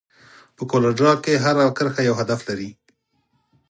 په کولر ډراو کې هره کرښه یو هدف لري.